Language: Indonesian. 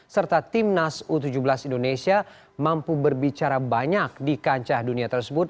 serta timnas u tujuh belas indonesia mampu berbicara banyak di kancah dunia tersebut